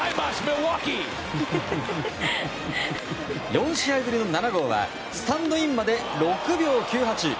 ４試合ぶりの７号はスタンドインまで６秒９８。